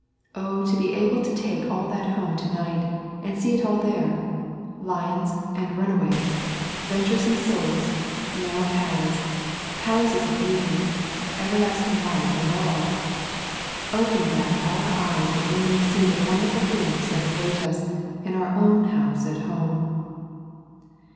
O to be able to take all that home to night and see it all there; lions and runaways, venturesome souls, narrow paths, palaces of beauty, everlasting life and all! Open Thou our eyes that we may see the wonderful things that await us in our own house at home!